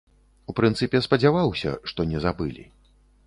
У прынцыпе спадзяваўся, што не забылі.